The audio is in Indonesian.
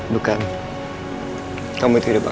bukan kamu itu hidup aku